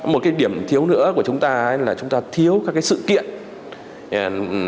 một cái điểm thiếu nữa của chúng ta là chúng ta thiếu các cái sự kiện